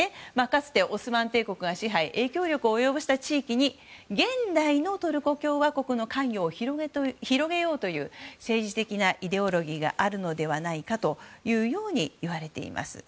かつてオスマン帝国が支配影響力を及ぼした地域に現代のトルコ共和国の関与を広げようという政治的なイデオロギーがあるのではないかというようにいわれています。